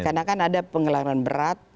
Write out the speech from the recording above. karena kan ada pengelarangan berat